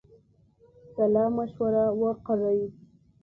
سلامشوره وکړی.